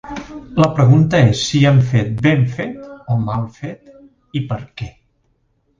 La pregunta és si ha fet ben fet o mal fet i per què.